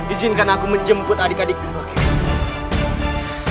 izinkan aku menjemput adik adikmu kakek